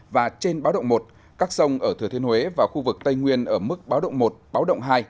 và trên báo động một các sông ở thừa thiên huế và khu vực tây nguyên ở mức báo động một báo động hai